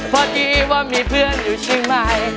พอดีว่ามีเพื่อนอยู่เชียงใหม่